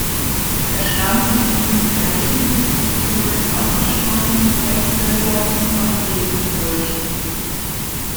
Der Schlamm in diesen Teichen ist mit Kohlenwasserstoffen, Quecksilber und Arsen verseucht.